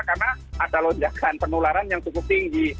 karena ada lonjakan penularan yang cukup tinggi